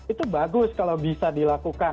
itu bagus kalau bisa dilakukan